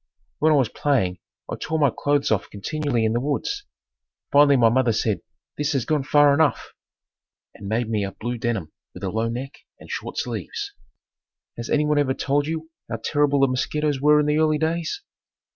When I was playing I tore my clothes off continually in the woods. Finally my mother said, "This has gone far enough!" and made me a blue denim with a low neck and short sleeves. Has anyone ever told you how terrible the mosquitoes were in the early days?